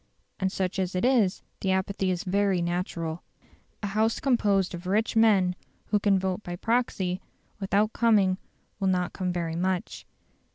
And such as it is, the apathy is very natural. A House composed of rich men who can vote by proxy without coming will not come very much.